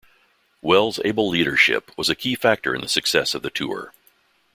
Wells' able leadership was a key factor in the success of the tour.